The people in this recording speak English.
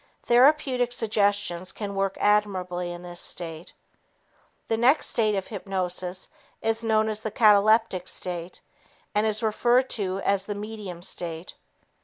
Therapeutic suggestions can work admirably in this state. The next stage of hypnosis is known as the cataleptic state and is referred to as the "medium" state.